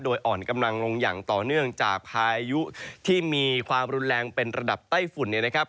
โดยอ่อนกำลังลงอย่างต่อเนื่องจากพายุที่มีความรุนแรงเป็นระดับใต้ฝุ่นเนี่ยนะครับ